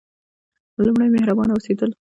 لومړی: مهربانه اوسیدل.